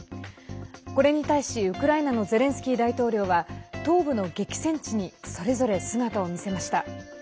これに対し、ウクライナのゼレンスキー大統領は東部の激戦地にそれぞれ姿を見せました。